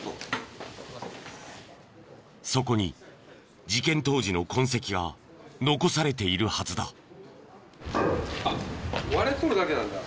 そこに事件当時の痕跡が残されているはずだ。